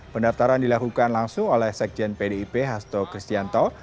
pendaftaran dilakukan langsung oleh sekjen pdip hasto kristianto